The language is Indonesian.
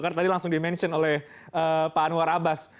karena tadi langsung di mention oleh pak anwar abbas